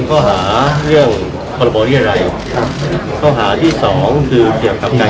พี่แจงในประเด็นที่เกี่ยวข้องกับความผิดที่ถูกเกาหา